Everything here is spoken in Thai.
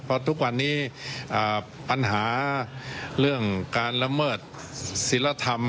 เพราะทุกวันนี้ปัญหาเรื่องการละเมิดศิลธรรม